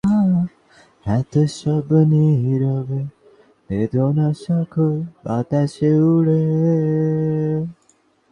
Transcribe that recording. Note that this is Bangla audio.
হিন্দুগণ বিজ্ঞানের এই বিষয়টি অনুশীলনপূর্বক নির্দোষ করিয়াছেন।